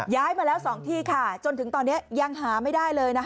ย้ายมาแล้ว๒ที่ค่ะจนถึงตอนนี้ยังหาไม่ได้เลยนะคะ